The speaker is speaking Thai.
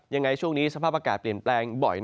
ยังไงช่วงนี้สภาพอากาศเปลี่ยนแปลงบ่อย